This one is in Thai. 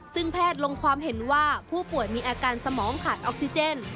ซึ่งแพทย์ลงความเห็นว่าผู้ป่วยมีอาการสมองขาดออกซิเจน